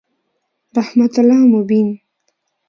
رحمت الله مبین